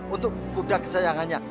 untuk kuda kesayangannya